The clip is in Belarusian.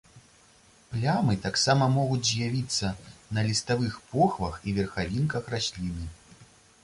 Плямы таксама могуць з'явіцца на ліставых похвах і верхавінках расліны.